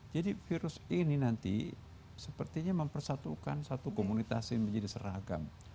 jadi virus ini nanti sepertinya mempersatukan satu komunitas yang menjadi seragam